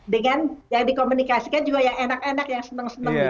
dengan yang dikomunikasikan juga yang enak enak yang senang senang